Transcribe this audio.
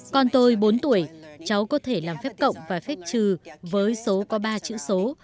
con tôi bốn tuổi cháu có thể làm phép cộng và phép trừ với số có ba chữ số